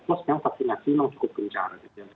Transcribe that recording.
memang vaksinasi memang cukup kencang di kota besar